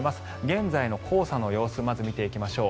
現在の黄砂の様子をまず見ていきましょう。